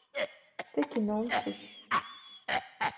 Сэ кинэум сыщ.